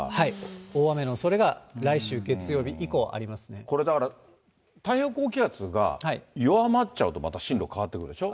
大雨のおそれが、これだから、太平洋高気圧が弱まっちゃうと、また進路変わってくるでしょ。